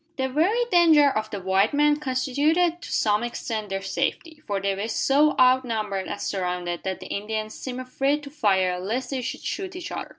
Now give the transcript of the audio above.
The very danger of the white men constituted to some extent their safety; for they were so outnumbered and surrounded that the Indians seemed afraid to fire lest they should shoot each other.